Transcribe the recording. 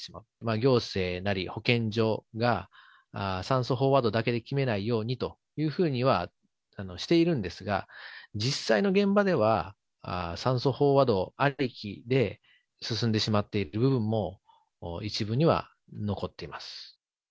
行政なり保健所が酸素飽和度だけで決めないようにというふうにはしているんですが、実際の現場では、酸素飽和度ありきで進んでしまっている部分も、一部には残っています。